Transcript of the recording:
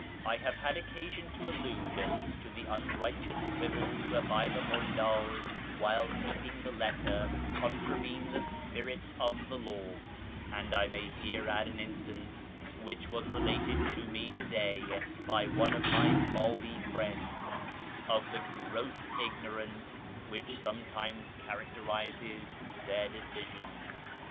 I have had occasion to allude to the rmrighteous quibbles whereby the mullds, while keeping the letter, contravene the spirit of the law ; and I may here add an instance (which was related to me to day by one of my Babi friends) of the' gross ignorance which sometimes characterises their decisions.